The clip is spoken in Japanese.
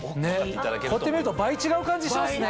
こうやって見ると倍違う感じしますね。